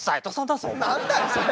何だよそれ。